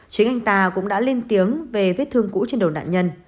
chính anh ta cũng đã lên tiếng về vết thương cũ trên đầu nạn nhân